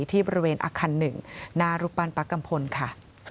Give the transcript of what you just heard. ที่บริเวณอัคคัน๑นาฬุปันปกัมพลค่ะ